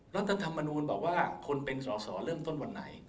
รัฐธรรมนูลบอกว่าคนเป็นสอสอเริ่มต้นวันไหน